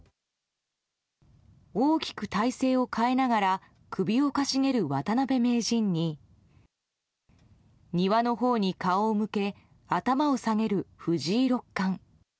大きく体勢を変えながら首をかしげる渡辺名人に庭のほうに顔を向け頭を下げる藤井六冠。